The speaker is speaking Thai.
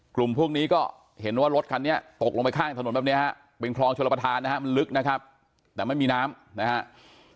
กลุ่มพวกนี้ก็เห็นว่ารถคันนี้ตกลงไปข้างถนนแบบนี้ฮะเป็นคลองชลประธานนะฮะมันลึกนะครับแต่ไม่มีน้ำนะครับ